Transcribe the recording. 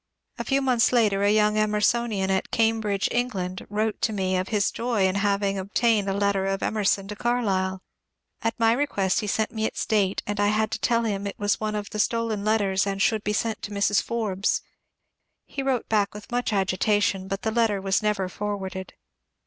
A few months later a young Emersonian at Cambridge (England) wrote to me of his joy in having obtained a letter of Emerson to Carlyle. At my request he sent me its date, and I had to tell him it was one of the stolen letters and should be sent to Mrs. Forbes. He wrote back with much agitation, but the letter was never forwarded.